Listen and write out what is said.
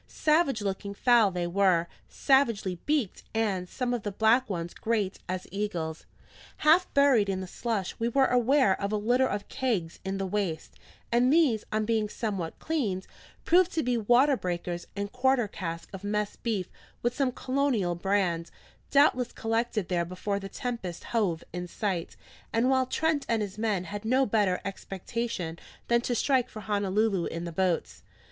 Savage looking fowl they were, savagely beaked, and some of the black ones great as eagles. Half buried in the slush, we were aware of a litter of kegs in the waist; and these, on being somewhat cleaned, proved to be water beakers and quarter casks of mess beef with some colonial brand, doubtless collected there before the Tempest hove in sight, and while Trent and his men had no better expectation than to strike for Honolulu in the boats.